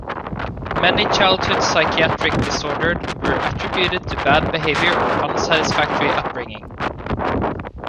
Many childhood psychiatric disordered were attributed to bad behavior or unsatisfactory up-bringing.